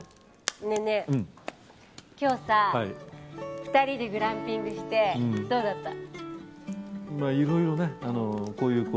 今日さ２人でグランピングしてどうだった？